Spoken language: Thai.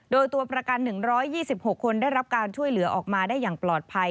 โดยตัวประกัน๑๒๖คนได้รับการช่วยเหลือออกมาได้อย่างปลอดภัย